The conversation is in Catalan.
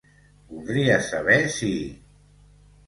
Voldria saber si